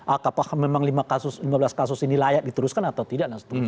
apakah memang lima belas kasus ini layak diteruskan atau tidak dan seterusnya